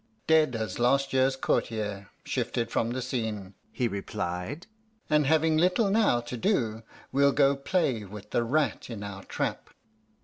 "Dead as a last years courtier, shifted from the scene," he replied; "and having little now to do, we'll go play with the rat in our trap."